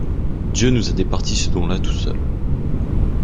Dieu nous a départi ce don-là tout seul.